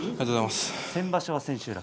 先場所、千秋楽